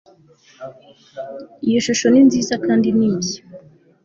Iyo shusho ni nziza kandi niyi